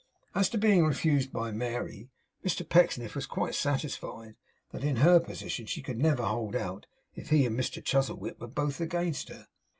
As to being refused by Mary, Mr Pecksniff was quite satisfied that in her position she could never hold out if he and Mr Chuzzlewit were both against her.